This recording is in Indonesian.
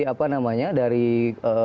dari kubu oposisi semua menyebarkan itu termasuk